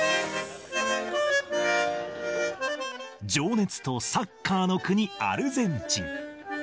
情熱とサッカーの国、アルゼンチン。